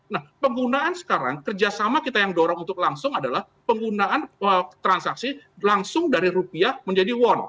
nah penggunaan sekarang kerjasama kita yang dorong untuk langsung adalah penggunaan transaksi langsung dari rupiah menjadi won